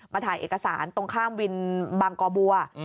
ถ่ายเอกสารตรงข้ามวินบางกอบัว